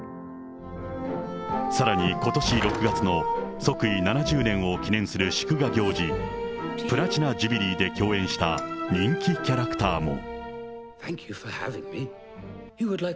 さらにことし６月の即位７０年を記念する祝賀行事、プラチナ・ジュビリーで共演した人気キャラクターも。